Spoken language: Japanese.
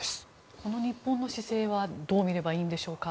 この日本の姿勢はどう見ればいいでしょうか。